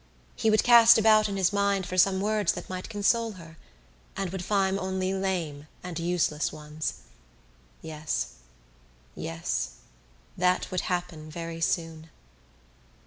He would cast about in his mind for some words that might console her, and would find only lame and useless ones. Yes, yes: that would happen very soon.